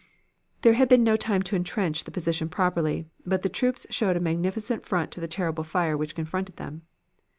"There had been no time to intrench the position properly, but the troops showed a magnificent front to the terrible fire which confronted them.